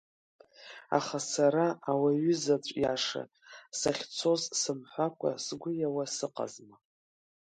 Аха сара, ауаҩы заҵә иаша, сахьцоз сымҳәакәа сгәы иауа сыҟазма…